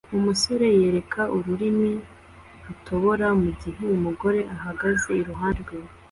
Umusore yerekana ururimi rutobora mugihe umugore ahagaze iruhande rwe